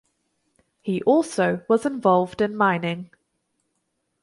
He also was involved in mining.